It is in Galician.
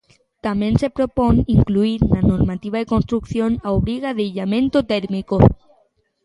Tamén se propón "incluír na normativa de construción a obriga de illamento térmico".